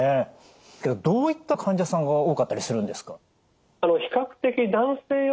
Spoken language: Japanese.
どういった患者さんが多かったりするんですか？